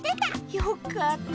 よかった。